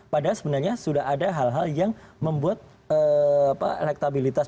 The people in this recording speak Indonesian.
padahal sebenarnya sudah ada hal hal yang membuat elektabilitas